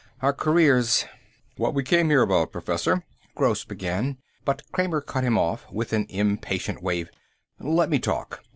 Our careers " "What we came here about, Professor," Gross began, but Kramer cut him off with an impatient wave. "Let me talk.